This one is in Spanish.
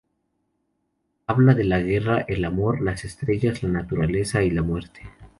Habla de la guerra, el amor, las estrellas, la naturaleza y la muerte.